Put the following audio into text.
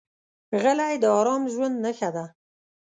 غلی، د ارام ژوند نښه ده.